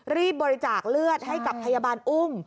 รีบบริจาคเลือดให้กับพยาบาลอุ้ม